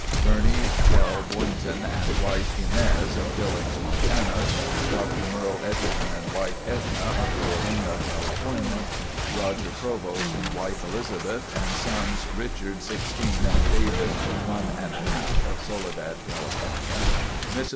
Bernie L. Boynton and wife, Inez, of Billings, Montana. Dr. Merle Edgerton and wife, Edna, of Coalinga, California. Roger Provost, and wife, Elizabeth, and sons, Richard 16, and David, 1½, of Soledad, California. Mrs.